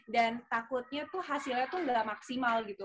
dan takutnya tuh hasilnya tuh gak maksimal gitu